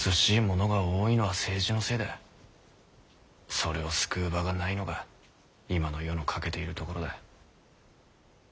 それを救う場がないのが今の世の欠けているところだ。